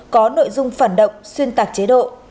có nội dung phản động xuyên tạc chế độ